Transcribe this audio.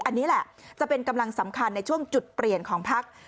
อันนี้แหละจะเป็นกำลังสำคัญในช่วงจุดเปลี่ยนของพัก